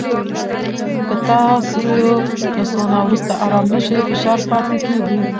که تاسو له سونا وروسته ارام نه شئ، فشار پاتې کېږي.